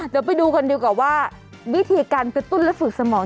เดี๋ยวไปดูกันดีกว่าว่าวิธีการกระตุ้นและฝึกสมอง